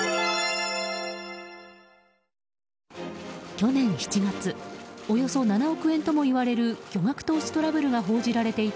去年７月およそ７億円ともいわれる巨額投資トラブルが報じられていた